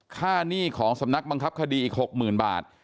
หนี้ของสำนักบังคับคดีอีก๖๐๐๐บาท